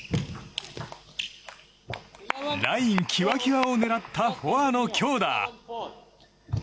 ラインきわきわを狙ったフォアの強打。